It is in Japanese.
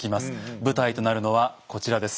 舞台となるのはこちらです。